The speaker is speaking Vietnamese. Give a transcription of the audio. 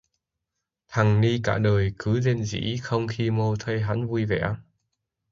Thằng ni cả đời cứ rên rỉ, không khi mô thấy hắn vui vẻ